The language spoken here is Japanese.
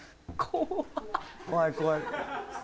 怖い怖い。